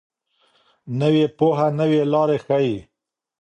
نوې پوهه نوې لارې ښيي.